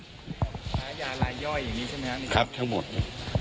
ภาคยาลายย่อยอย่างนี้ใช่ไหมครับคุณคุณครับทั้งหมด